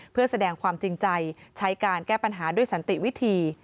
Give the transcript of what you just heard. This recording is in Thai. เพื่อแสดงความจริงใจใช้การแก้ปัญหาด้วยสันติวิธี